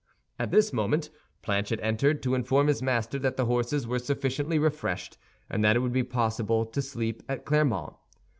At this moment Planchet entered, to inform his master that the horses were sufficiently refreshed and that it would be possible to sleep at Clermont.